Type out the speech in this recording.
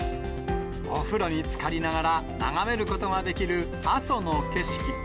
お風呂につかりながら、眺めることができる阿蘇の景色。